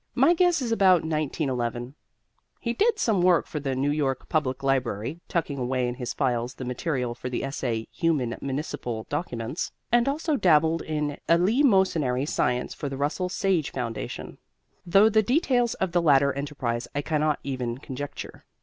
My guess is, about 1911. He did some work for the New York Public Library (tucking away in his files the material for the essay "Human Municipal Documents") and also dabbled in eleemosynary science for the Russell Sage Foundation; though the details of the latter enterprise I cannot even conjecture.